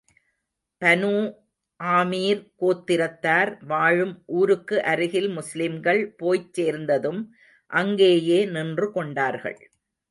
Banu Amir கோத்திரத்தார் வாழும் ஊருக்கு அருகில் முஸ்லிம்கள் போய்ச் சேர்ந்ததும், அங்கேயே நின்று கொண்டார்கள்.